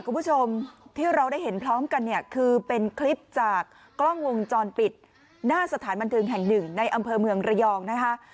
คุณผู้ชมที่เราได้เห็นพร้อมกันเนี่ยคือเป็นคลิปจากกล้องวงจรปิดหน้าสถานบันเทิงแห่งหนึ่งในอำเภอเมืองระยองนะคะ